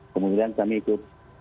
kemudian kami ikut